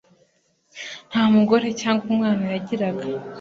nta mugore cyangwa umwana yagiraga